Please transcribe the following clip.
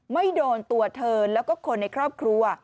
ไม่โดนตัวเธอแล้วก็คนในครอบครัว